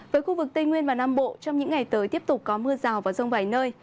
với khu vực tây nguyên và nam bộ trong những ngày tới tiếp tục có mưa rào và rông vài nơi